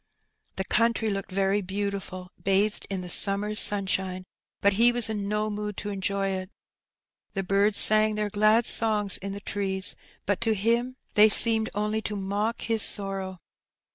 The country looked very beautiful bathed in the summer's sunshine, but he was in no mood to enjoy it. The birds sang their glad songs in the trees, but to him they seemed 208 Hek Bexny. only to mock his sorrow.